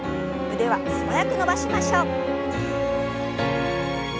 腕は素早く伸ばしましょう。